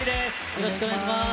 よろしくお願いします。